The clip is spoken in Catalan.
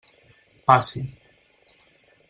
Passi.